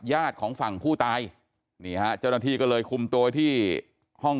ญาติของฝั่งผู้ตายนี่ฮะเจ้าหน้าที่ก็เลยคุมตัวที่ห้อง